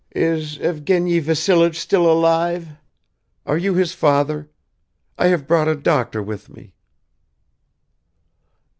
"Is Evgeny Vassilich still alive? Are you his father? I have brought a doctor with me."